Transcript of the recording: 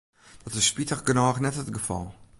Dat is spitich genôch net it gefal.